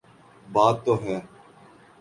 بات تو ہے۔